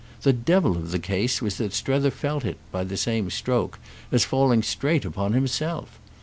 The devil of the case was that Strether felt it, by the same stroke, as falling straight upon himself.